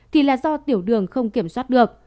thì là do tiểu đường không kiểm soát được